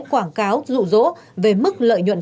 quảng cáo rụ rỗ về mức lợi nhuận